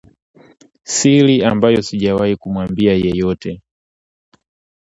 Siri ambayo sijawahi kumwambia yeyote